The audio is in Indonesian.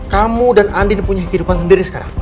kamu dan andi punya kehidupan sendiri sekarang